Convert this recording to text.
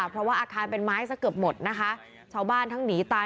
เพราะว่าอาคารเป็นไม้ซะเกือบหมดนะคะชาวบ้านทั้งหนีตาย